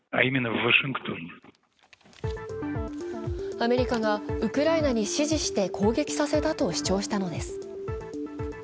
アメリカがウクライナに指示して攻撃させたと主張したのです。